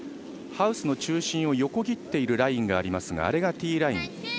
ハウスの中心を横切ってるラインがありますがあれがティーライン。